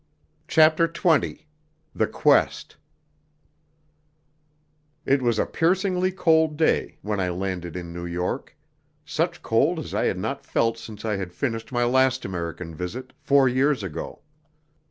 CHAPTER XX The Quest It was a piercingly cold day when I landed in New York such cold as I had not felt since I had finished my last American visit, four years ago.